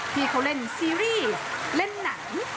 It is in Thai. ที่เขาเล่นซีรีส์เล่นหนัง